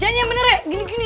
jangan yang bener ya gini gini